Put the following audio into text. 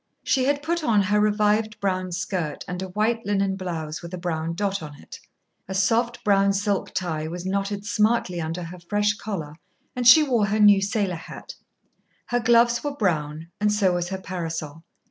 She had put on her revived brown skirt and a white linen blouse with a brown dot on it. A soft brown silk tie was knotted smartly under her fresh collar, and she wore her new sailor hat. Her gloves were brown, and so was her parasol.